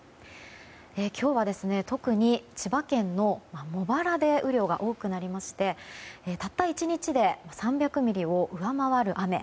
今日は特に千葉県の茂原で雨量が多くなりましてたった１日で３００ミリを上回る雨。